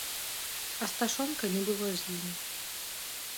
Асташонка не было з імі.